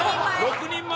６人前！？